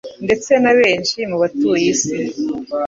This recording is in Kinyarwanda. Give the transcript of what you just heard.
ndetse na benshi mu batuye isi